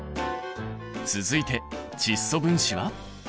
続いて窒素分子は？